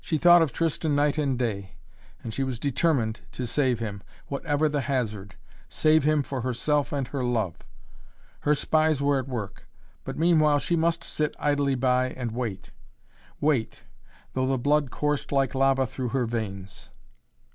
She thought of Tristan night and day, and she was determined to save him, whatever the hazard, save him for herself and her love. Her spies were at work, but meanwhile she must sit idly by and wait wait, though the blood coursed like lava through her veins.